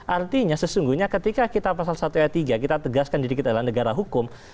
artinya sesungguhnya ketika kita pasal satu ayat tiga kita tegaskan diri kita adalah negara hukum